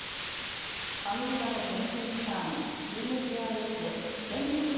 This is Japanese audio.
アメリカの研究機関ＣＳＩＳ・戦略